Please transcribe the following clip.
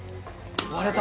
割れた！